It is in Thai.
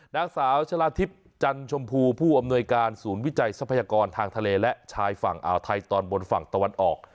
นางสาวชะลาทิพย์จันชมพูผู้อำนวยการศูนย์วิจัยทรัพยากรทางทะเลและชายฝั่งอ่าวไทยตอนบนฝั่งตะวันออก